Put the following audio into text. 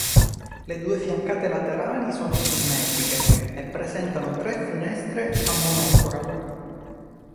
Le due fiancate laterali sono simmetriche e presentano tre finestre a monofora.